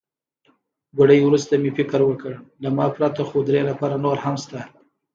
ګړی وروسته مې فکر وکړ، له ما پرته خو درې نفره نور هم شته.